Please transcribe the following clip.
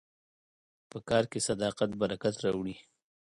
په کار کې صداقت برکت راوړي.